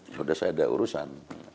sudah saya ada urusan